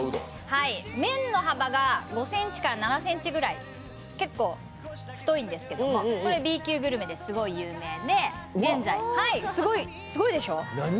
麺の幅が５ｃｍから７ｃｍくらい、結構太いんですけどＢ級グルメですごい有名で現在、すごいでしょ？